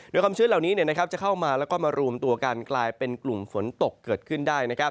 โดยความชื้นเหล่านี้จะเข้ามาแล้วก็มารวมตัวกันกลายเป็นกลุ่มฝนตกเกิดขึ้นได้